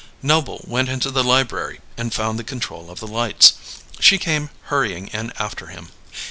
Noble went into the library and found the control of the lights. She came hurrying in after him.